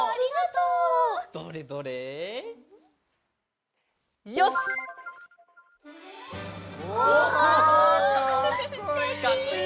うわかっこいい！